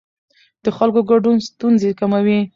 د خلکو ګډون ستونزې کموي